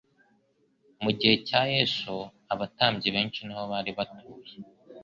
mu gihe cya Yesu abatambyi benshi ni ho bari batuye.